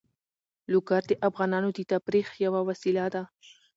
لوگر د افغانانو د تفریح یوه وسیله ده.